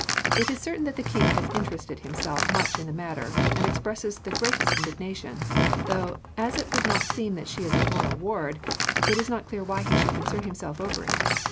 It is certain that the king has interested himself much in the matter, and expresses the greatest indignation. Though, as it would not seem that she is a royal ward, it is not clear why he should concern himself over it.